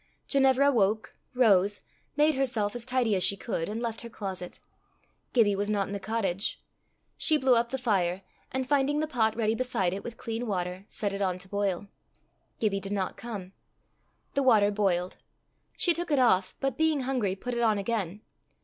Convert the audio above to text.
Ginevra woke, rose, made herself as tidy as she could, and left her closet. Gibbie was not in the cottage. She blew up the fire, and, finding the pot ready beside it, with clean water, set it on to boil. Gibbie did not come. The water boiled. She took it off, but being hungry, put it on again.